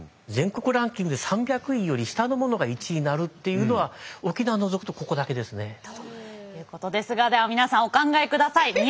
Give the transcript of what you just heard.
全国ランキングで３００位より下のものが１位になるっていうのは沖縄を除くとここだけですね。ということですがでは皆さんお考えください。